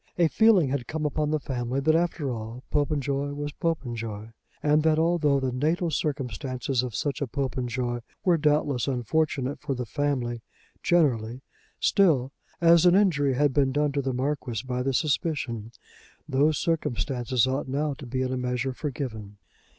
A feeling had come upon the family that after all Popenjoy was Popenjoy; and that, although the natal circumstances of such a Popenjoy were doubtless unfortunate for the family generally, still, as an injury had been done to the Marquis by the suspicion, those circumstances ought now to be in a measure forgiven.